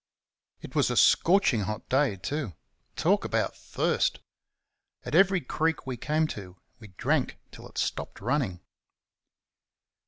It was a scorching hot day, too talk about thirst! At every creek we came to we drank till it stopped running.